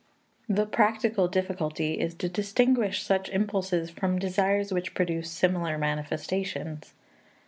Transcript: The practical difficulty is to distinguish such impulses from desires which produce similar manifestations.